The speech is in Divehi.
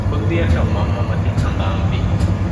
ކުއްލިއަކަށް މަންމަ މަތިން ހަނދާންވި